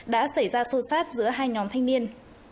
đã xảy ra xô xát giữa hai nhóm thanh niên